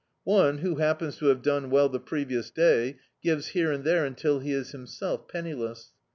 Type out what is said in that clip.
One, who happens to have done well the previous day, gives here and there until he is himself penniless.